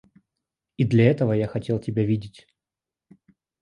И для этого я хотел тебя видеть.